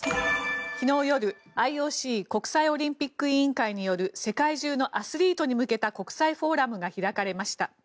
昨日夜、ＩＯＣ・国際オリンピック委員会による世界中のアスリートに向けた国際フォーラムが開かれました。